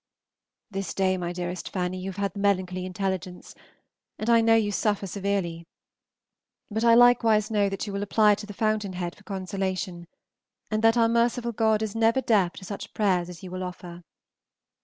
This day, my dearest Fanny, you have had the melancholy intelligence, and I know you suffer severely, but I likewise know that you will apply to the fountain head for consolation, and that our merciful God is never deaf to such prayers as you will offer.